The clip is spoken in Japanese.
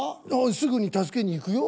すぐに助けに行くよ。